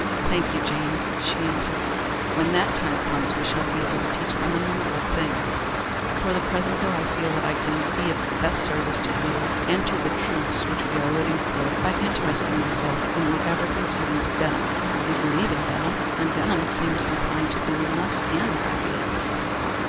"Thank you, James," she answered. "When that time comes we shall be able to teach them a number of things. For the present though, I feel that I can be of best service to you and to the truths which we are living for by interesting myself in whatever concerns Benham. We believe in Benham, and Benham seems inclined to believe in us and our ideas."